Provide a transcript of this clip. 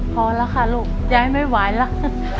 พอแล้วค่ะลูกยายไม่ไหวแล้ว